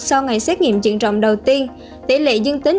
sau ngày xét nghiệm dựng rộng đầu tiên